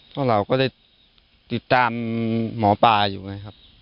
เพราะเราก็ได้ติดตามหมอปลาอยู่ไงครับ